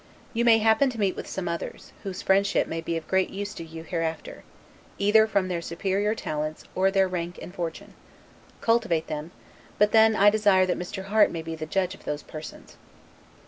You may happen to meet with some others, whose friendship may be of great use to you hereafter, either from their superior talents, or their rank and fortune; cultivate them; but then I desire that Mr. Harte may be the judge of those persons.